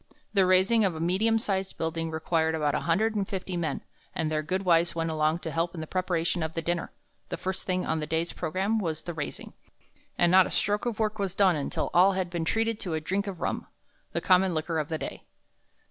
The raising of a medium sized building required about one hundred and fifty men, and their good wives went along to help in the preparation of the dinner. The first thing on the day's program was the raising, and not a stroke of work was done until all had been treated to a drink of rum, the common liquor of the day.